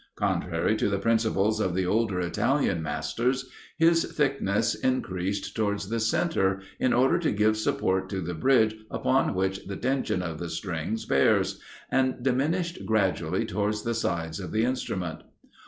Contrary to the principles of the older Italian masters, his thickness increased towards the centre, in order to give support to the bridge upon which the tension of the strings bears, and diminished gradually towards the sides of the instrument.